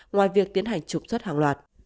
ngoài việc tiến hành trục xuất hàng loạt